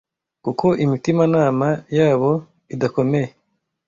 kuko imitimanama yabo idakomeye